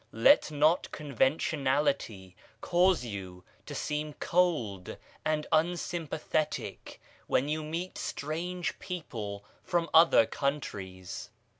Let not conventionality cause you to seem cold and unsympathetic when you meet strange people from other countries.